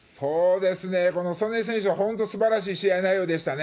この素根選手は本当すばらしい試合内容でしたね。